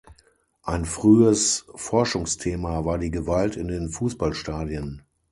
Ein frühes Forschungsthema war die Gewalt in den Fußballstadien.